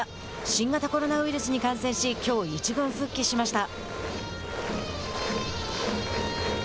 新型コロナウイルスに感染しきょう１軍復帰しました。